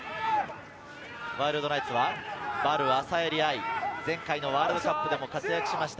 ワイルドナイツはヴァル・アサエリ愛、前回ワールドカップでも活躍しました。